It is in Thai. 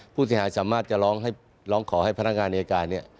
ผู้เสียหายสามารถจะร้องขอให้พนักงานอายการเนี่ย